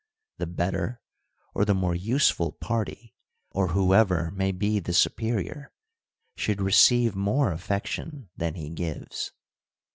the better or the more useful party, or whoever may be the superior, should receive more affection than ne gives.